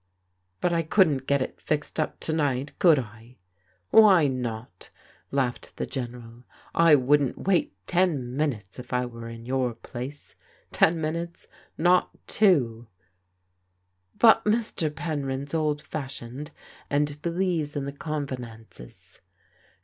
'*" But I couldn't get it fixed up to night, could I ?"" Why not ?" laughed the General. " I wouldn't wait ten minutes, if I were in your place. Ten minutes? Not two I "" But Mr. Penryn's old fashioned, and believes in the convenances.